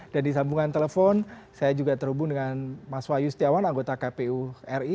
dan di sambungan telepon saya juga terhubung dengan mas wayu setiawan anggota kpu ri